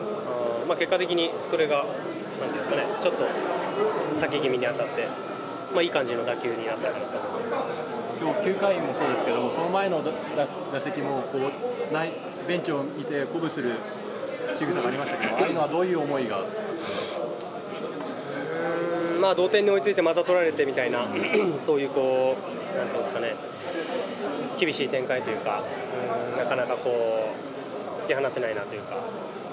結果的にそれがなんていうんですかね、ちょっと先気味に当たって、いい感じの打球になったんだと思いまきょう、９回もそうですけど、その前の打席もベンチを見て鼓舞するしぐさがありましたけど、あうーん、まあ、同点に追いついて、また取られてみたいな、そういう、なんていうんですかね、厳しい展開というか、なかなかこう、突き放せないなというか。